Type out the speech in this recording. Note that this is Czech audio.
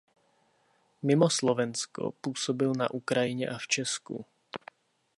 Mimo Slovensko působil na Ukrajině a v Česku.